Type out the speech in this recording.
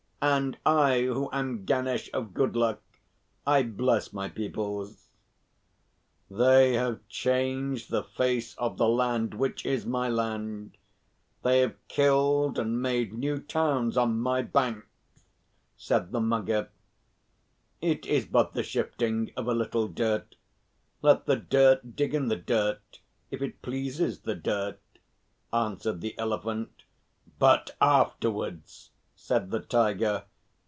And I, who am Ganesh of Good Luck, I bless my peoples." "They have changed the face of the land which is my land. They have killed and made new towns on my banks," said the Mugger. "It is but the shifting of a little dirt. Let the dirt dig in the dirt if it pleases the dirt," answered the Elephant. "But afterwards?" said the Tiger.